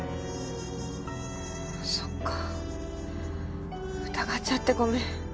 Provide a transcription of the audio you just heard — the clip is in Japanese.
そっか疑っちゃってごめん。